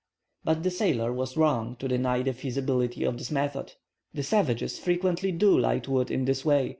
But the sailor was wrong to deny the feasibility of this method. The savages frequently do light wood in this way.